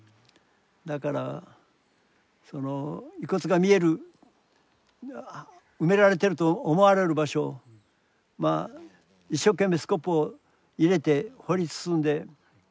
だからその遺骨が見える埋められてると思われる場所を一生懸命スコップを入れて掘り進んで。